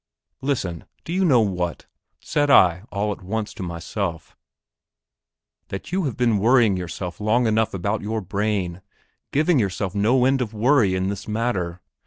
Listen; do you know what, said I all at once to myself, that you have been worrying yourself long enough about your brain, giving yourself no end of worry in this matter?